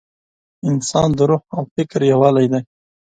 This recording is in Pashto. انسان د روح او فکر یووالی دی.